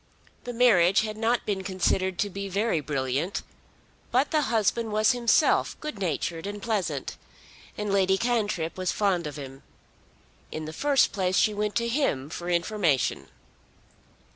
The marriage had not been considered to be very brilliant; but the husband was himself good natured and pleasant, and Lady Cantrip was fond of him. In the first place she went to him for information.